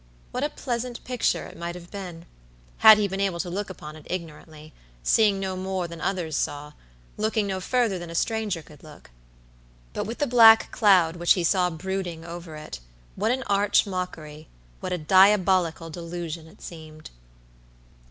What a pleasant picture it might have been, had he been able to look upon it ignorantly, seeing no more than others saw, looking no further than a stranger could look. But with the black cloud which he saw brooding over it, what an arch mockery, what a diabolical delusion it seemed.